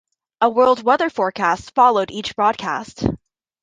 A world weather forecast followed each broadcast.